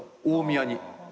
大宮に。